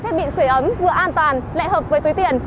thiết bị sửa ấm vừa an toàn lại hợp với túi tiền